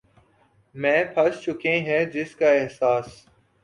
میں پھنس چکے ہیں جس کا احساس